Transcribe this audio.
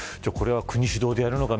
国主導でやるのか